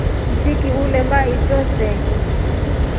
Nchiki uleamba isho see.